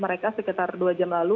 mereka sekitar dua jam lalu